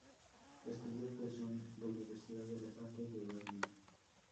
Estudió actuación en la Universidad de las Artes de Berlín.